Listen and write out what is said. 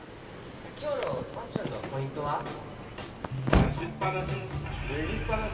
きょうのファッションのポイントは？だしっぱなしぬぎっぱなし！